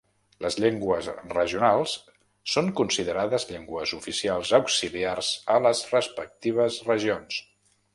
Les llengües regionals són considerades llengües oficials auxiliars a les respectives regions.